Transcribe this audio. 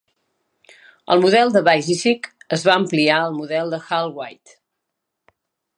El model de Vasicek es va ampliar al model de Hull-White.